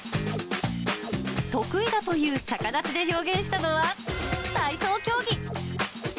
得意だという逆立ちで表現したのは体操競技。